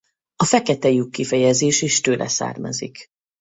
A fekete lyuk kifejezés is tőle származik.